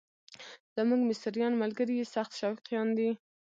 زموږ مصریان ملګري یې سخت شوقیان دي.